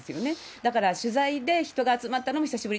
だから取材で人が集まったのも久しぶり。